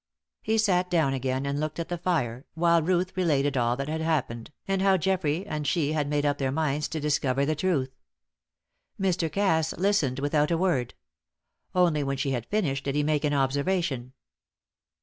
He sat down again and looked at the fire, while Ruth related all that had happened, and how Geoffrey and she had made up their minds to discover the truth. Mr. Cass listened without a word. Only when she had finished did he make an observation.